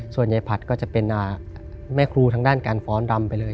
ส่วนยายผัดก็จะเป็นแม่ครูทางด้านการฟ้อนรำไปเลย